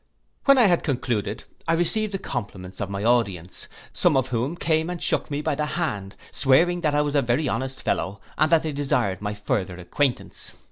When I had concluded, I received the compliments of my audience, some of whom came and shook me by the hand, swearing that I was a very honest fellow, and that they desired my further acquaintance.